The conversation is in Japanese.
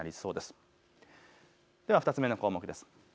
では２つ目の項目です。